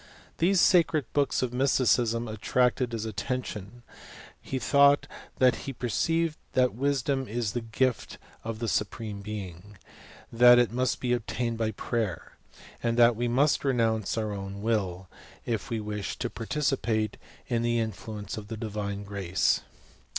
' These sacred books of mysticism attracted his attention : he thought that he perceived that v/isdom is the • gift of the Supreme Being ; that it must be obtained by prayer ; and that we must renounce our own will, if we wish to partici pate in the influence of the divine grace.